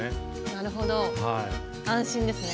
なるほど安心ですね。